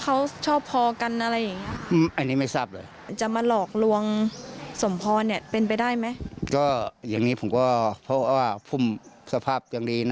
เขาก็จะหามนุษยธรรมดีกว่านี้